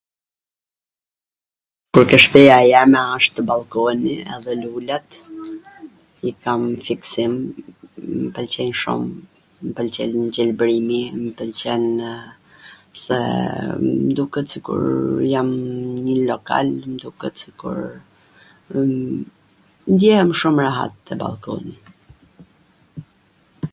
pwrkwshteja jeme asht ballkoni edhe lulet, i kam se m pwlqejn shum, m pwlqen gjelbrimi, m pwlqenw se m duket sikur jam n njw lokal , m duket sikur... ndjehem shum rehat n ballkon